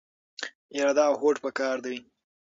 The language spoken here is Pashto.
اراده او هوډ پکار دی.